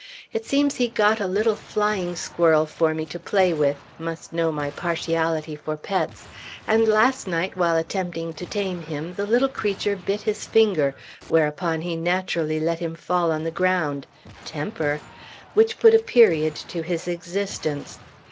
It seems he got a little flying squirrel for me to play with (must know my partiality for pets), and last night, while attempting to tame him, the little creature bit his finger, whereupon he naturally let him fall on the ground, (Temper!) which put a period to his existence.